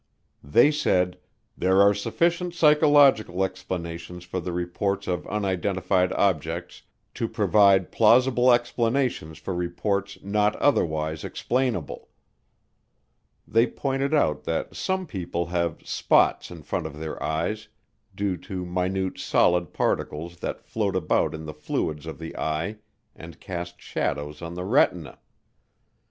They said, "there are sufficient psychological explanations for the reports of unidentified objects to provide plausible explanations for reports not otherwise explainable." They pointed out that some people have "spots in front of their eyes" due to minute solid particles that float about in the fluids of the eye and cast shadows on the retina.